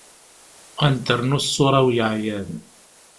Ad n-ternu ṣṣura-w yeεyan.